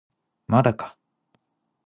まだか